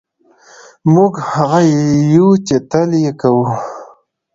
موږ هغه یو چې تل یې کوو.